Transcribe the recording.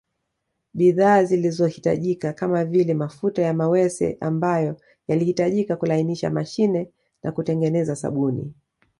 Bidhaa zilizo hitajika kamavile mafuta ya mawese ambayo yalihitajika kulainisha mashine na kutengeneza sabuni